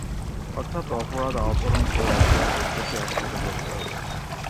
অর্থাৎ অপরাধ আচরণ ও অপরাধ উদ্দেশ্য একসাথে ঘটতে হবে।